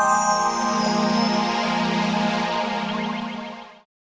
jangan lupa untuk berlangganan